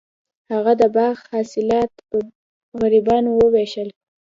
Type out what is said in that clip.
هغه د باغ حاصلات په غریبانو وویشل.